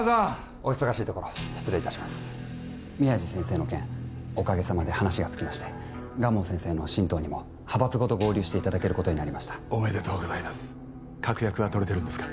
お忙しいところ失礼いたします宮地先生の件おかげさまで話がつきまして蒲生先生の新党にも派閥ごと合流していただけることになりましたおめでとうございます確約は取れてるんですか？